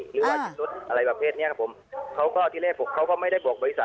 หรือว่าชำรุดอะไรประเภทเนี้ยครับผมเขาก็ที่แรกผมเขาก็ไม่ได้บอกบริษัท